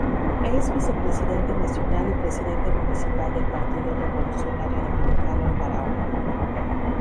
Es Vicepresidente Nacional y Presidente Municipal del Partido Revolucionario Dominicano en Barahona.